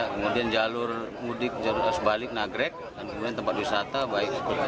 kemudian jalur mudik sebalik nagrek dan kemudian tempat wisata baik sebut kecil